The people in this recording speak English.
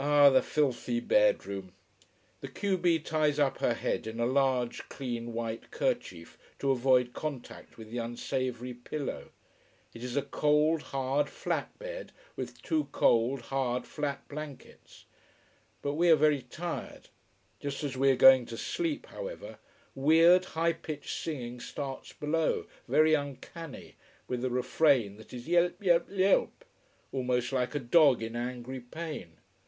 Ah, the filthy bedroom. The q b ties up her head in a large, clean white kerchief, to avoid contact with the unsavory pillow. It is a cold, hard, flat bed, with two cold, hard, flat blankets. But we are very tired. Just as we are going to sleep, however, weird, high pitched singing starts below, very uncanny with a refrain that is a yelp yelp yelp! almost like a dog in angry pain.